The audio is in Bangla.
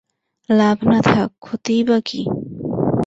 লাভ না থাক, ক্ষতিই বা কী?